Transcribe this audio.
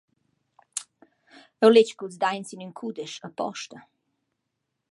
«Eu leg culs daints in ün cudesch aposta.»